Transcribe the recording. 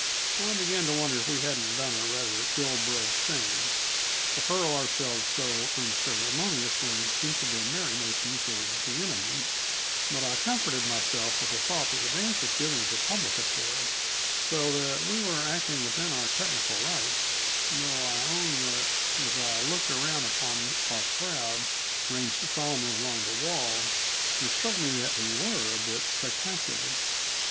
I began to wonder if we hadn't done a rather ill bred thing, to hurl ourselves so unceremoniously into the merrymakings of the enemy; but I comforted myself with the thought that the dance was given as a public affair, so that we were acting within our technical rights though I own that, as I looked around upon our crowd, ranged solemnly along the wall, it struck me that we were a bit spectacular.